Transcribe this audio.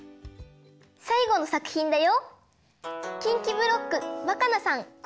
さいごのさくひんだよ。